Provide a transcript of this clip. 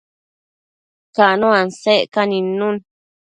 Cano asecca nidnun